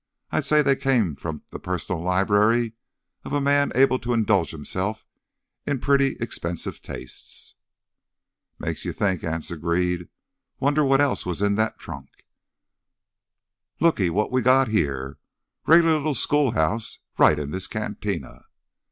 I'd say they came from the personal library of a man able to indulge himself in pretty expensive tastes." "Makes you think," Anse agreed. "Wonder what else was in that trunk." "Looky what we've got us here! Regular li'l schoolhouse right in this cantina!"